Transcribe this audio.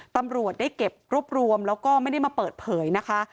ตำรวจได้เก็บรวบรวมแล้วก็ไม่ได้มาเปิดเผยนะคะ